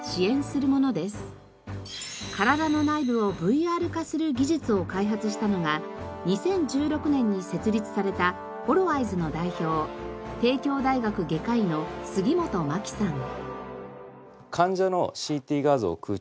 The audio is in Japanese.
身体の内部をＶＲ化する技術を開発したのが２０１６年に設立されたＨｏｌｏｅｙｅｓの代表帝京大学外科医の杉本真樹さん。